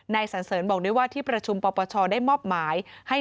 สันเสริญบอกด้วยว่าที่ประชุมปปชได้มอบหมายให้